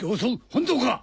本当か！